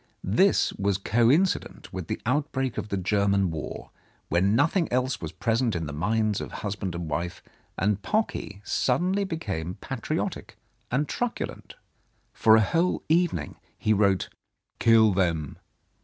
This was coincident with the outbreak of the German war, when nothing else was present in the 179 Mrs. Andrews's Control minds of husband and wife, and Pocky suddenly became patriotic and truculent. For a whole even ing he wrote, "Kill them.